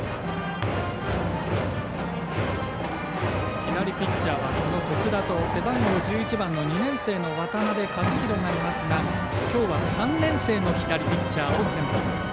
左ピッチャーは徳田と背番号１１番の２年生の渡辺和大がいますがきょうは３年生の左ピッチャーが先発。